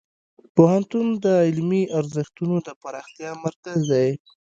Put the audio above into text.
پوهنتون د علمي ارزښتونو د پراختیا مرکز دی.